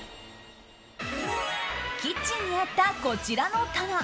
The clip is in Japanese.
キッチンにあった、こちらの棚。